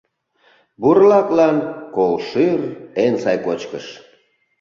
Бурлаклан кол шӱр — эн сай кочкыш.